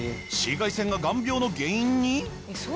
紫外線が眼病の原因に！？